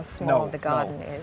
mencari bunga terbaik atau kecil